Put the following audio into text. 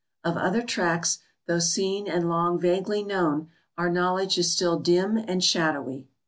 Of other tracts, though seen and long vaguely known, our knowledge is still dim and shadowy.